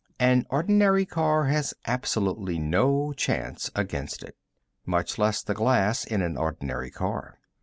An ordinary car has absolutely no chance against it. Much less the glass in an ordinary car.